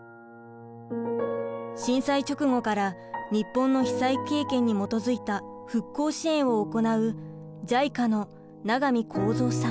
震災直後から日本の被災経験に基づいた復興支援を行うＪＩＣＡの永見光三さん。